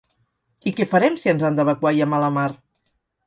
I què farem, si ens han d'evacuar i hi ha mala mar?